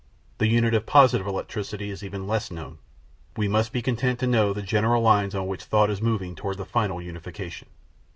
The unit of positive electricity is even less known. We must be content to know the general lines on which thought is moving toward the final unification.